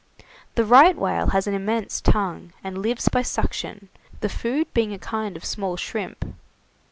The right whale has an immense tongue, and lives by suction, the food being a kind of small shrimp.